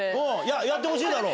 やってほしいだろ？